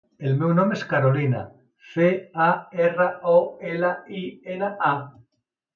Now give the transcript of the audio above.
El meu nom és Carolina: ce, a, erra, o, ela, i, ena, a.